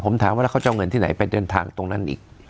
ผมถามว่าแล้วเขาจะเอาเงินที่ไหนไปเดินทางตรงนั้นอีก